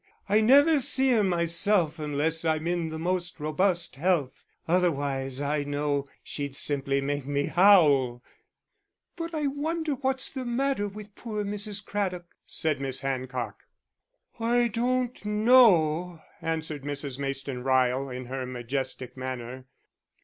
I never see her myself unless I'm in the most robust health, otherwise I know she'd simply make me howl." "But I wonder what was the matter with poor Mrs. Craddock," said Miss Hancock. "I don't know," answered Mrs. Mayston Ryle in her majestic manner.